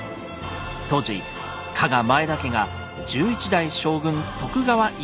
当時加賀前田家が１１代将軍徳川家斉の娘